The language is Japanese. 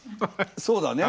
そうだね。